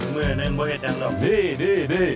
มือหนึ่งเบาเฮ็ดยังหรอ